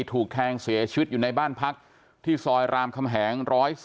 ถูกแทงเสียชีวิตอยู่ในบ้านพักที่ซอยรามคำแหง๑๔